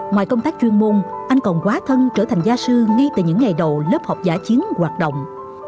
ngoài công tác chuyên môn anh còn quá thân trở thành gia sư ngay từ những ngày đầu lớp học giả chiến hoạt động